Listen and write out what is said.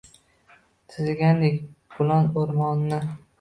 Chizilgandek Bulon o‘rmoni.